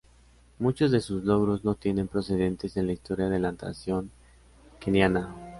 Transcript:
Muchos de sus logros no tienen precedentes en la historia de la natación keniana.